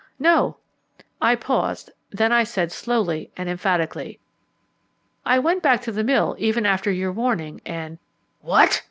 "No," I paused, then I said slowly and emphatically, "I went back to the mill even after your warning, and " "What?"